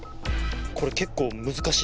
これ結構難しい。